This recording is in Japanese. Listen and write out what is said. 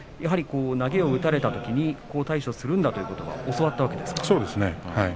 投げを打たれたときに対処するんだということをそうですね